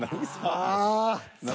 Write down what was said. ああ。